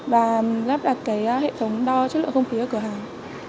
và lắp đặt hệ thống đo chất lượng không khí ở cửa hàng